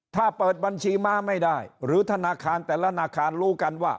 ถ้าเปิดบัญชีม้าไม่ได้หรือธนาคารแต่ละธนาคารรู้กันว่า